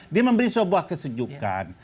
dia memberi sebuah kesujukan